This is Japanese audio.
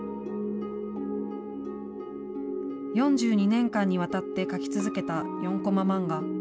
４２年間にわたって描き続けた４コマ漫画。